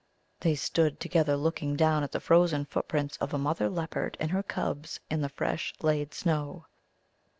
They stood together looking down at the frozen footprints of a mother leopard and her cubs in the fresh laid snow.